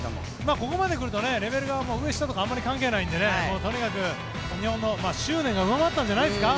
ここまで来るとレベルが上、下とかあまり関係ないんでとにかく日本の執念が上回ったんじゃないんですか。